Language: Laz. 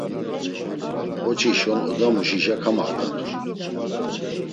“Oçişon odamuşişa kamaft̆atu.”